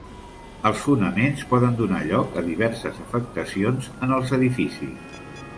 Els fonaments poden donar lloc a diverses afectacions en els edificis.